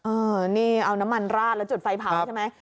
นี่เอาน้ำมันราดแล้วจุดไฟเผาใช่ไหม